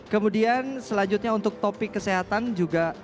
kemudian selanjutnya untuk topik kesehatan juga